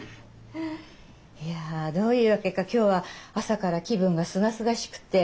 いやどういうわけか今日は朝から気分がすがすがしくて。